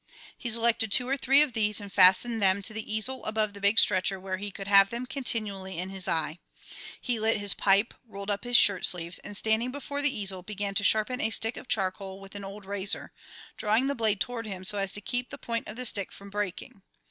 He selected two or three of these and fastened them to the easel above the big stretcher where he could have them continually in his eye. He lit his pipe, rolled up his shirt sleeves, and standing before the easel, began to sharpen a stick of charcoal with an old razor, drawing the blade toward him so as to keep the point of the stick from breaking.